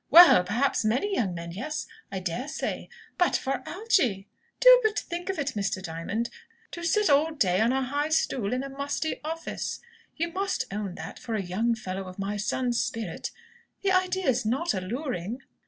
Well, perhaps 'many young men,' yes; I daresay. But for Algy! Do but think of it, Mr. Diamond; to sit all day on a high stool in a musty office! You must own that, for a young fellow of my son's spirit, the idea is not alluring."